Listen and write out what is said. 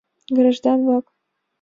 — Граждан-влак.